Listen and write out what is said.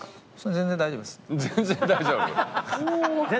全然大丈夫？